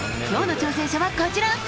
今日の挑戦者は、こちら。